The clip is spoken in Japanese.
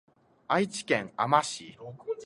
愛知県あま市